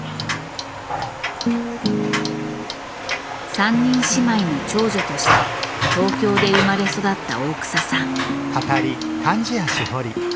３人姉妹の長女として東京で生まれ育った大草さん。